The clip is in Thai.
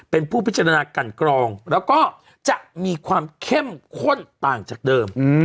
เป็นผู้พิจารณากันกรองแล้วก็จะมีความเข้มข้นต่างจากเดิม